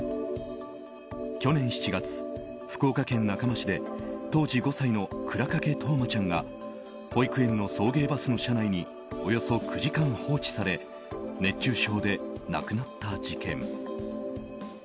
去年７月、福岡県中間市で当時５歳の倉掛冬生ちゃんが保育園の送迎バスの車内におよそ９時間放置され熱中症で亡くなった事件。